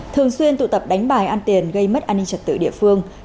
thường xuyên tụ tập đánh bài ăn tiền gây mất an ninh trật tự địa phương